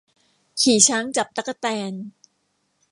ขี่ช้างจับตั๊กแตน